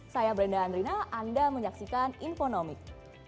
saya brenda andrina anda menyaksikan infonomik